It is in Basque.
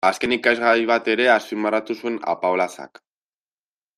Azken ikasgai bat ere azpimarratu zuen Apaolazak.